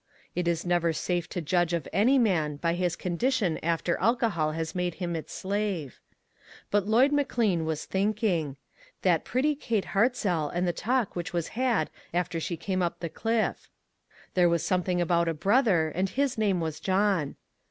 It is never safe to judge of any man, by his condition after alcohol has made him its slave. But Lloyd McLean was thinking. That pretty Kate Hartzell and the talk which was had after she came up the cliff; there was something about a brother, and his name was John.